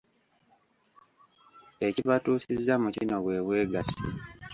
Ekibatusizza ku kino bwe bwegassi.